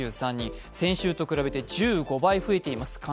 先週と比べて１５倍増えています。